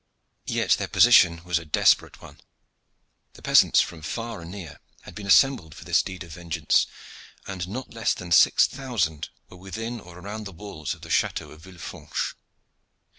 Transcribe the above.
Yet their position was a desperate one. The peasants from far and near had been assembled for this deed of vengeance, and not less than six thousand were within or around the walls of the Chateau of Villefranche.